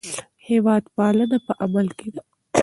هېوادپالنه په عمل کې ده.